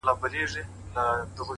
• بیا د ده پر ځای د بل حریص نوبت وي ,